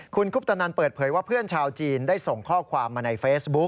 คุณคุปตนันเปิดเผยว่าเพื่อนชาวจีนได้ส่งข้อความมาในเฟซบุ๊ค